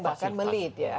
dan kita yang bahkan